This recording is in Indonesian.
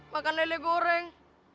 makan lele goreng